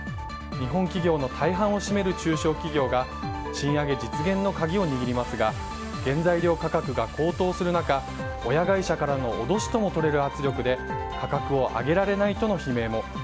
日本企業の大半を占める中小企業が賃上げ実現の鍵を握りますが原材料価格が高騰する中親会社からの脅しともとれる圧力で価格を上げられないとの悲鳴も。